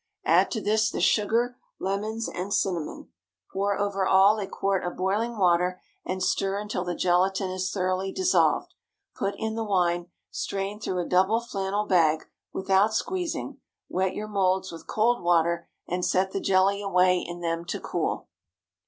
Add to this the sugar, lemons, and cinnamon; pour over all a quart of boiling water, and stir until the gelatine is thoroughly dissolved. Put in the wine, strain through a double flannel bag, without squeezing, wet your moulds with cold water, and set the jelly away in them to cool.